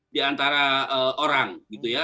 diantara orang gitu ya